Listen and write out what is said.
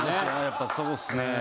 やっぱそうっすね。